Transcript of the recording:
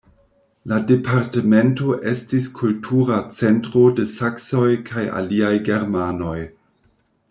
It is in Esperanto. La departemento estis kultura centro de saksoj kaj aliaj germanoj.